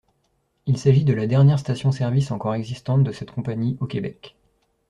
Il s'agit de la dernière station-service encore existante de cette compagnie au Québec.